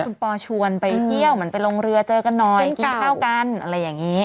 คุณปอชวนไปเที่ยวเหมือนไปลงเรือเจอกันหน่อยกินข้าวกันอะไรอย่างนี้